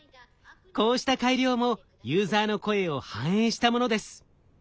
こうした改良もユーザーの声を反映したものです。